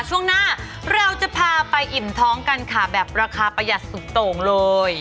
ช่วงหน้าเราจะพาไปอิ่มท้องกันค่ะแบบราคาประหยัดสุดโต่งเลย